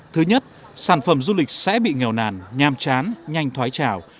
thứ nhất sản phẩm du lịch sẽ bị nghèo nàn nham chán nhanh thoái trào